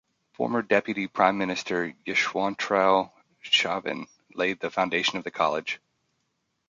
Former deputy Prime Minister Yeshwantrao Chavan, laid the foundation of the college.